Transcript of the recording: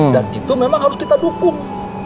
dan itu memang harus kita dukung